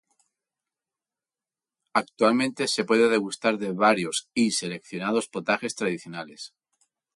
Actualmente se puede degustar de variados y seleccionados potajes tradicionales.